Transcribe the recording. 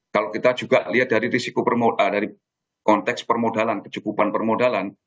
kalau kita juga lihat dari risiko dari konteks permodalan kecukupan permodalan